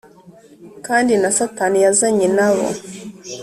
kandi na Satani yazanye na bo.